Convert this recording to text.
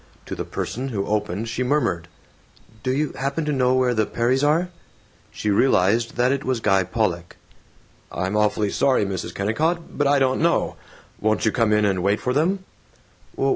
To the person who opened she murmured, "Do you happen to know where the Perrys are?" She realized that it was Guy Pollock. "I'm awfully sorry, Mrs. Kennicott, but I don't know. Won't you come in and wait for them?"